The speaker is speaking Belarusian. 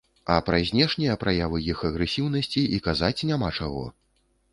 А пра знешнія праявы іх агрэсіўнасці і казаць няма чаго!